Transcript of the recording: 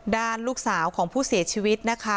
ด้านลูกสาวของผู้เสียชีวิตนะคะ